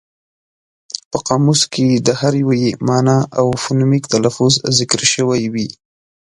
په قاموس کې د هر ویي مانا او فونیمک تلفظ ذکر شوی وي.